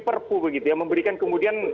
perpu begitu ya memberikan kemudian